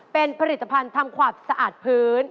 เป็นผลิตภัณฑ์ทำความสะอาดพื้น